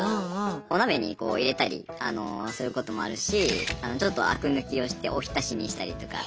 お鍋にこう入れたりすることもあるしちょっとあく抜きをしておひたしにしたりとか。